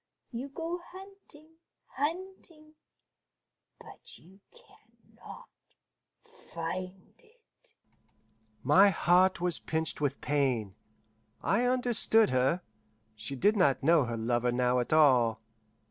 You go hunting, hunting, but you can not find It." My heart was pinched with pain. I understood her. She did not know her lover now at all.